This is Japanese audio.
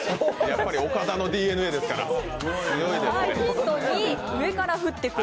やっぱり岡田のＤＮＡですから。